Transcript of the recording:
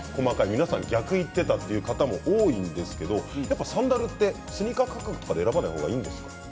皆さん逆をいっていたという方が多いんですがサンダルってスニーカー感覚で選ばない方がいいんですか？